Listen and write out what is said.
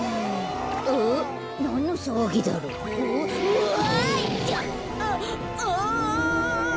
うわ！